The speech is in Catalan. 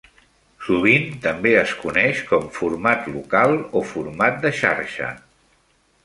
Sovint també es coneix com "format local" o "format de xarxa".